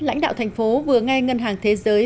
lãnh đạo thành phố vừa nghe ngân hàng thế giới